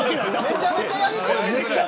めちゃめちゃやりづらいですよ。